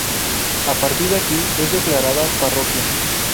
A partir de aquí es declarada parroquia.